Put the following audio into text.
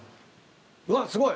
うわすごい。